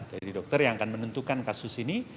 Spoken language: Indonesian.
jadi dokter yang akan menentukan kasus ini